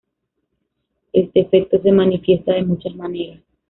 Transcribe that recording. Este efecto se manifiesta de muchas maneras.